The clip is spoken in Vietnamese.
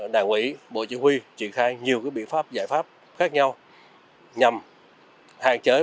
đảng ủy bộ chỉ huy triển khai nhiều biện pháp giải pháp khác nhau nhằm hạn chế